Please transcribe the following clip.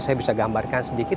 saya bisa gambarkan sedikit